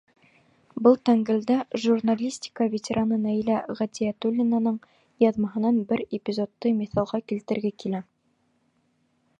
Был тәңгәлдә журналистика ветераны Наилә Ғәтиәтуллинаның яҙмаһынан бер эпизодты миҫалға килтерге килә.